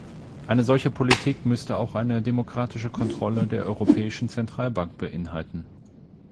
Eine solche Politik müsste auch eine demokratische Kontrolle der Europäischen Zentralbank beinhalten.